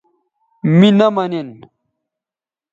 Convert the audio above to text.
می نہ منین